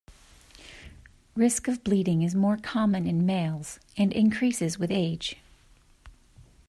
Risk of bleeding is more common in males, and increases with age.